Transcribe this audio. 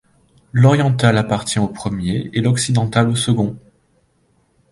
L'Oriental appartient au premier et l'occidental au second.